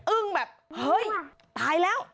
อึ้งแบบเฮ้ยตายแล้ว